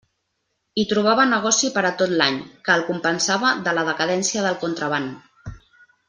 Hi trobava negoci per a tot l'any, que el compensava de la decadència del contraban.